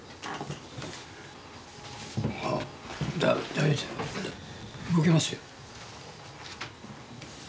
大丈夫動けますよ。